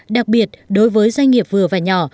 đặc biệt đối với doanh nghiệp vừa và nhỏ